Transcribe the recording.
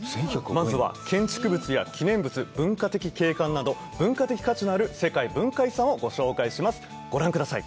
まずは建築物や記念物・文化的景観など文化的価値のある世界文化遺産をご紹介しますご覧ください